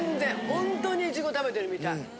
ほんとにイチゴ食べてるみたい。